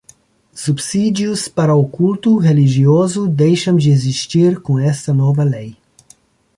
Subsídios para o culto religioso deixam de existir com esta nova lei.